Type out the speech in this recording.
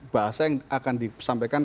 bahasa yang akan disampaikan